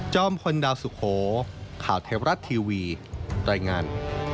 พลดาวสุโขข่าวเทวรัฐทีวีรายงาน